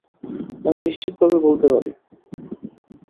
আমি নিশ্চিতভাবে বলতে পারি!